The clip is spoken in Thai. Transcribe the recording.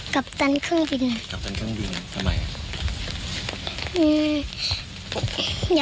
กัปตันเครื่องบิน